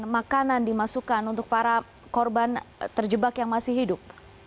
makanan dimasukkan untuk para korban terjebak yang masih hidup